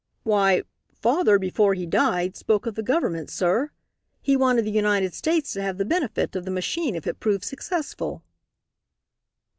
"Why father, before he died, spoke of the government, sir. He wanted the United States to have the benefit of the machine if it proved successful."